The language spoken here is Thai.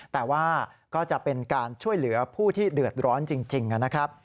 แต่ว่าก็จะเป็นการช่วยเหลือผู้ที่เดือดร้อนจริงนะครับ